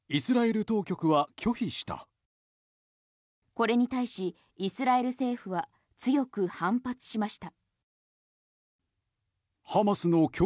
これに対し、イスラエル政府は強く反発しました。